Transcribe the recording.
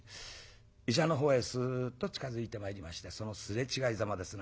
医者のほうへすっと近づいてまいりましてそのすれ違いざまですな。